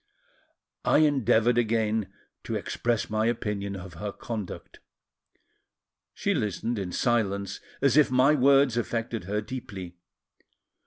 I endeavoured again to express my opinion of her conduct; she listened in silence, as if my words affected her deeply.